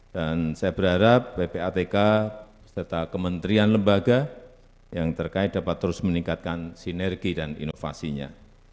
dan saya berharap bpatk serta kementerian lembaga yang terkait dapat terus meningkatkan sinergi dan inovasinya